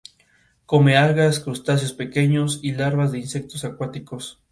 Los retratos de los dos hermanos están pintados en la pared norte del monasterio.